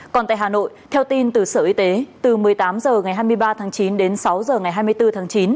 còn tại hà nội theo tin từ sở y tế từ một mươi tám h ngày hai mươi ba tháng chín đến sáu h ngày hai mươi bốn tháng chín